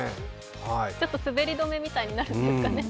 ちょっと滑り止めみたいになるんですかね。